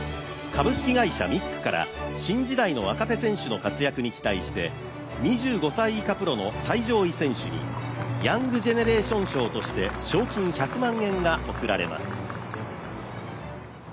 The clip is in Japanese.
株式会社ミックから新時代の若手選手の活躍に期待して２５歳以下プロの最上位選手にヤングジェネレーション賞として賞金１００万円が贈られます。